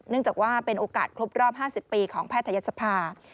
จากว่าเป็นโอกาสครบรอบ๕๐ปีของแพทยศภา